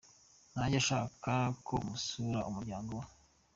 Ntajya ashaka ko musura umuryango we.